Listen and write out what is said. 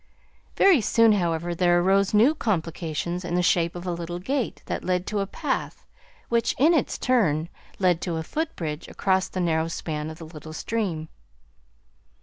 Very soon, however, there arose new complications in the shape of a little gate that led to a path which, in its turn, led to a footbridge across the narrow span of the little stream.